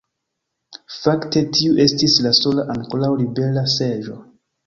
Fakte tiu estis la sola ankoraŭ libera seĝo.